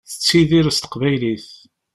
Tettidir s teqbaylit.